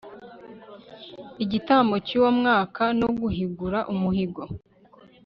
igitambo cy uwo mwaka no guhigura umuhigo